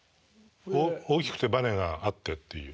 大きくてバネがあってっていう。